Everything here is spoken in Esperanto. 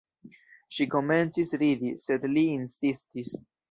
Ŝi komencis ridi, sed li insistis.